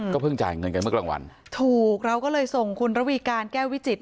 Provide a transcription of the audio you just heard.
เพิ่งจ่ายเงินกันเมื่อกลางวันถูกเราก็เลยส่งคุณระวีการแก้ววิจิตร